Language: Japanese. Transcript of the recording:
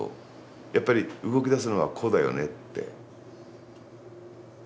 やっぱり動きだすのは「個」だよねって。